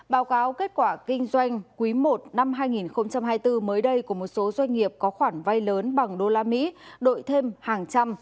báo cáo kết quả kinh doanh quý i năm hai nghìn hai mươi bốn mới đây của một số doanh nghiệp có khoản vay lớn bằng đô la mỹ đổi thêm hàng trăm